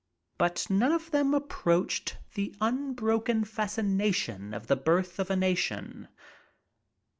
But none of them approached the unbroken fascination of "The Birth of a Nation."